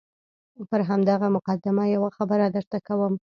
پر همدغه مقدمه یوه خبره درته کوم.